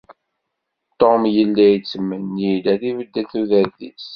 Tom yella yettmenni-d ad ibeddel tudert-is.